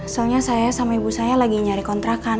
soalnya saya sama ibu saya lagi nyari kontrakan